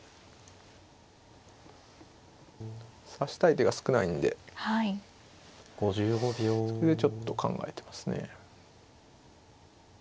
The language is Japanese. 指したい手が少ないんでそれでちょっと考えてますね。